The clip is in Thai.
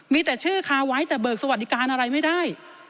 มีแต่ชื่อคาไว้แต่เบิกสวัสดิการอะไรไม่ได้